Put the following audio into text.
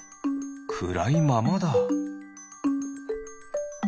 くらいままだ。